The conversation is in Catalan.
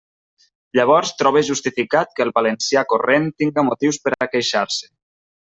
Llavors trobe justificat que el valencià corrent tinga motius per a queixar-se.